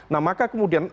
nah maka kemudian supaya